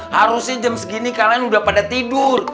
harusnya jam segini kalian udah pada tidur